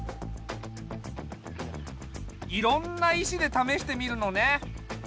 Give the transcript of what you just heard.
いろんな石でためしてみるのね。